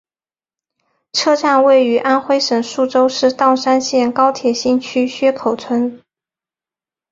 车站位于安徽省宿州市砀山县高铁新区薛口村。